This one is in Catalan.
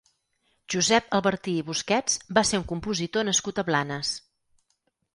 Josep Albertí i Busquets va ser un compositor nascut a Blanes.